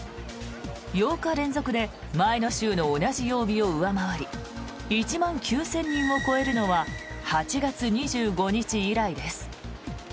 ８日連続で前の週の同じ曜日を上回り１万９０００人を超えるのは８月２５日以来です。